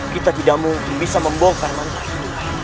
kita tidak mungkin bisa membongkar mantra itu